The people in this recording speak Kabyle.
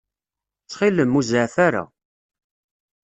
Ttxil-m, ur zeɛɛef ara.